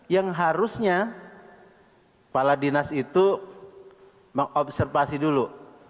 yang harusnya kepala dinas itu mengobservasi dulu